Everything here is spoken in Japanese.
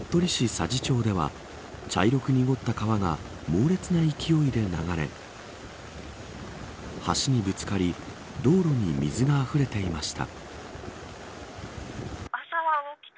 佐治町では茶色く濁った川が猛烈な勢いで流れ橋にぶつかり道路に水があふれていました。